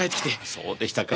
そうでしたか。